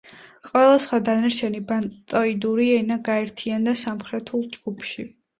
ყველა სხვა დანარჩენი ბანტოიდური ენა გაერთიანდა სამხრეთულ ჯგუფში.